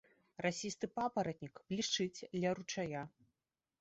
Расісты папаратнік блішчыць ля ручая.